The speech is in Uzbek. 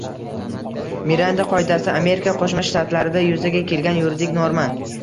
Miranda qoidasi Amerika Qo‘shma Shtatlarida yuzaga kelgan yuridik norma